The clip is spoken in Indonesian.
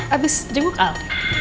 abis jenguk al